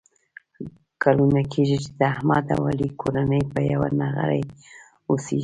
کلونه کېږي چې د احمد او علي کورنۍ په یوه نغري اوسېږي.